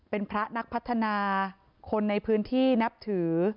เป็นพระนักพัฒนาคนในพื้นที่นับถือ